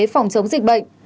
phòng chống dịch bệnh